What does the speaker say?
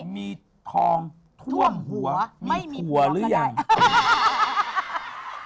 มีทองท่มหัวไม่มีผัวก็ได้